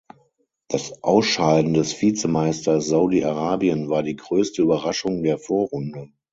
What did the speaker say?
Das Ausscheiden des Vizemeisters Saudi-Arabien war die größte Überraschung der Vorrunde.